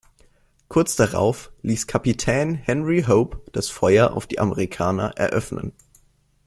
Kurz darauf ließ Kapitän Henry Hope das Feuer auf die Amerikaner eröffnen.